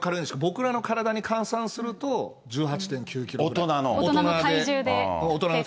僕らの体に換算すると１８．９キ大人の。